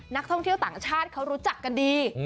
นักท่องเที่ยวต่างชาติเขารู้จักกันดี